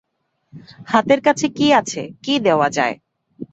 হাতের কাছে কী আছে, কী দেওয়া যায়।